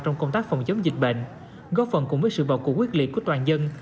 trong công tác phòng chống dịch bệnh góp phần cùng với sự bảo cụ quyết liệt của toàn dân